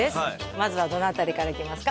まずはどの辺りからいきますか？